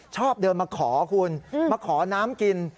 ชอบเดินมาขอคุณมาขอน้ำกิน